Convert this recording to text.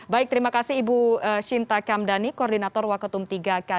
baik terima kasih ibu shinta kamdani koordinator waketum tiga k